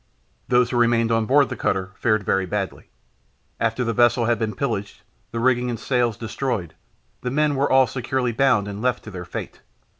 Those who remained on board the cutter fared very badly. After the vessel had been pillaged, the rigging and sails destroyed, the men were all securely bound and left to their fate.